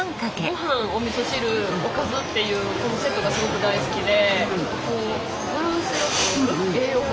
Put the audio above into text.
ごはんおみそ汁おかずっていうこのセットがすごく大好きで。